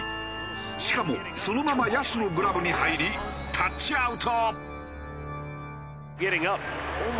しかもそのまま野手のグラブに入りタッチアウト。